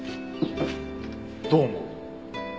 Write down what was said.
どう思う？